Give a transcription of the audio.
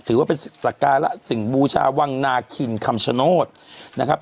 ถือว่าเป็นสักการะสิ่งบูชาวังนาคินคำชโนธนะครับ